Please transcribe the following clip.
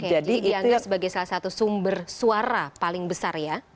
jadi dianggap sebagai salah satu sumber suara paling besar ya